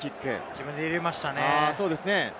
自分で入れましたね。